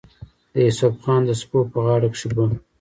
د يوسف خان د سپو پۀ غاړه کښې به